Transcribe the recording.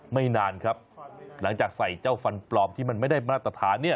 ไม่นานครับหลังจากใส่เจ้าฟันปลอมที่มันไม่ได้มาตรฐานเนี่ย